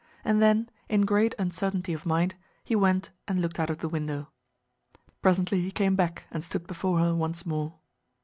And then, in great uncertainty of mind, he went and looked out of the window. Presently he came back and stood before her once more.